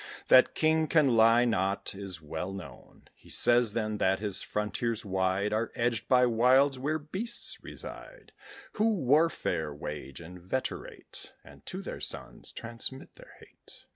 That kings can lie not is well known: He says, then, that his frontiers wide Are edged by wilds where beasts reside, Who warfare wage inveterate, And to their sons transmit their hate.